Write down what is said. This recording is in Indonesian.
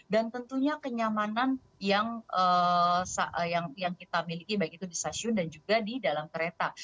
dan tentunya kenyamanan yang kita miliki baik itu di stasiun dan juga di dalam kereta